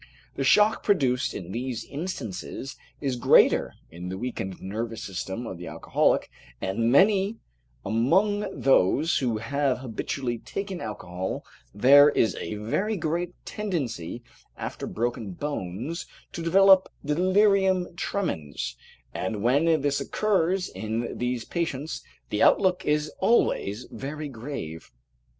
The shock produced in these instances is greater in the weakened nervous system of the alcoholic, and among those who have habitually taken alcohol there is a very great tendency after broken bones to develop delirium tremens, and when this occurs in these patients, the outlook is always very grave.